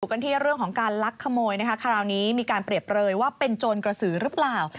กันที่เรื่องของการลักขโมยนะคะคราวนี้มีการเปรียบเปลยว่าเป็นโจรกระสือหรือเปล่า